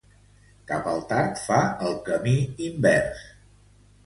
Cap al tard, fa el camí invers.